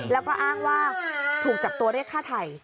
แล้วก็อ้างว่าถูกจับตัวได้ฆ่าไถ่